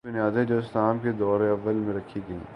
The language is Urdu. وہی بنیادیں جو اسلام کے دور اوّل میں رکھی گئیں۔